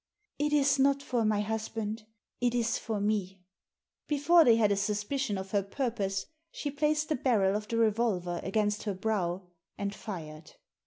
" It is not for my husband. It is for me !" Before they had a suspicion of her purpose she placed the barrel of the revolver against her brow and fired.